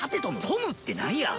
トムってなんや？